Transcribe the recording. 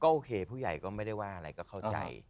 โอเคผู้ใหญ่ก็ไม่ได้ว่าอะไรก็เข้าใจ